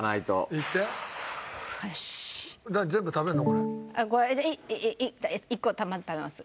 これ１個まず食べます。